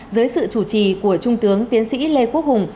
dưới sự chủ trì của trung tướng tiến sĩ lê quốc hùng